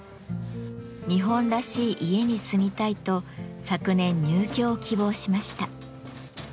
日本らしい家に住みたいと昨年入居を希望しました。